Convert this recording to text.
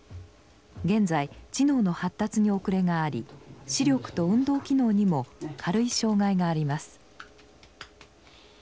現在知能の発達に遅れがあり視力と運動機能にも軽い障害があります。